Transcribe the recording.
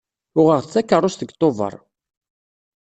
Uɣeɣ-d takeṛṛust deg Tubeṛ.